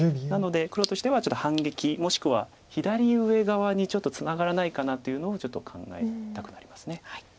なので黒としてはちょっと反撃もしくは左上側にちょっとツナがらないかなというのを考えたくなります。